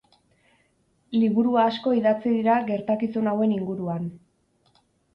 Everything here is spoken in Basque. Liburu asko idatzi dira gertakizun hauen inguruan.